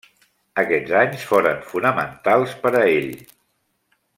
Aquests anys foren fonamentals per a ell.